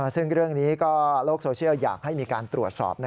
ซึ่งเรื่องนี้ก็โลกโซเชียลอยากให้มีการตรวจสอบ